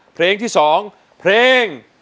เพลงที่๒เพลง